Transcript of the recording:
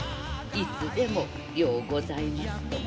いつでもようございますとも。